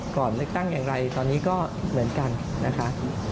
ก่อนเลือกตั้งอย่างไรตอนนี้ก็เหมือนกันนะคะ